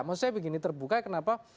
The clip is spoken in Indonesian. maksud saya begini terbuka kenapa